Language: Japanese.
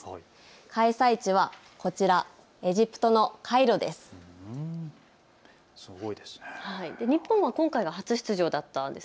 開催地はこちら、エジプトのカイロです。